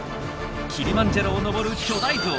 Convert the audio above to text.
キリマンジャロを登る巨大ゾウ。